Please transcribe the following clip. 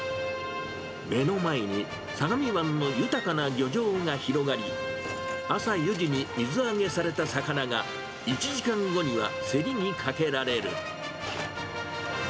目の前に相模湾の豊かな漁場が広がり、朝４時に水揚げされた魚が、１時間後には競りにかけられる。